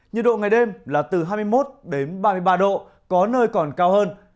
nhiệt độ ngày đêm là từ hai mươi một ba mươi ba độ có nơi còn cao hơn